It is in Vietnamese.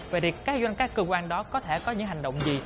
vậy thì các cơ quan đó có thể có những hành động gì